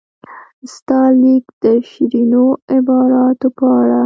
ستا لیک د شیرینو عباراتو په اړه.